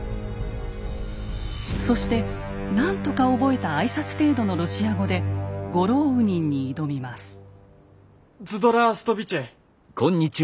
そして何とか覚えた挨拶程度のロシア語でゴローウニンに挑みます。